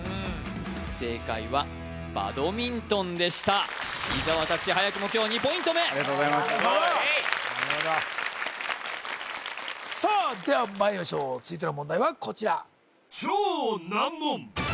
正解はバドミントンでした伊沢拓司早くも今日２ポイント目ありがとうございますさあではまいりましょう続いての問題はこちら